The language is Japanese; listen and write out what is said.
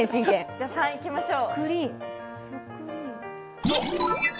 じゃ、３いきましょう。